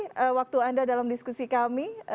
itu saja untuk anda dalam diskusi kami